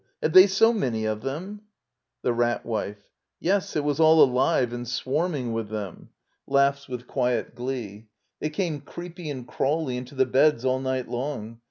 Have they so many of them? The Rat Wife. Yes, it was all alive and swarming with them. [Laughs with quiet glee.] They came creepy and crawly into the beds all night long.